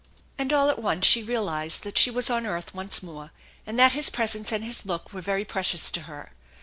And all at once she realized that she was on earth once more, and that his presence and his look were yery precious to her.